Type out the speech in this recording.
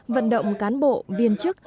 vận động cán bộ viên chức